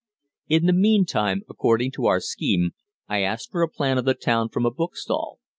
In the meantime, according to our scheme, I asked for a plan of the town from a bookstall.